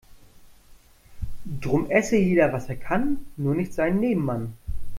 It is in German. Drum esse jeder was er kann, nur nicht seinen Nebenmann.